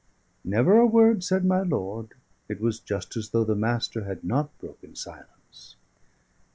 Never a word said my lord; it was just as though the Master had not broken silence.